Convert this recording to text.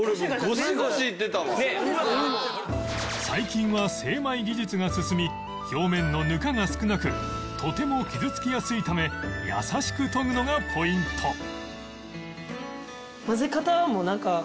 最近は精米技術が進み表面のぬかが少なくとても傷つきやすいため優しく研ぐのがポイント